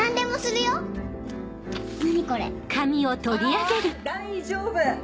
あ大丈夫！